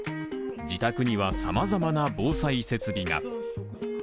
自宅には、さまざまな防災設備が。